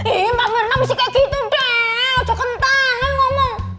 iya pak mirna mesti kayak gitu dah coklatan ngomong